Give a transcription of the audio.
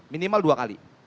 minimal dua kali